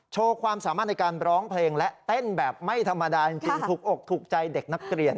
ความสามารถในการร้องเพลงและเต้นแบบไม่ธรรมดาจริงถูกอกถูกใจเด็กนักเรียน